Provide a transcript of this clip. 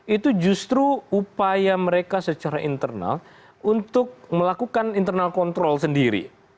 itu justru upaya mereka secara internal untuk melakukan internal kontrol sendiri